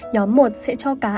nhóm một sẽ cho cá